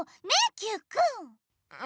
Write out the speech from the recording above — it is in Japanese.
Ｑくん。